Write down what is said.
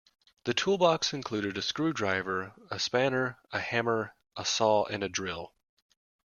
The toolbox included a screwdriver, a spanner, a hammer, a saw and a drill